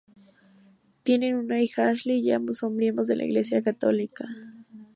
Tienen una hija, Ashley, y ambos son miembros de la Iglesia católica.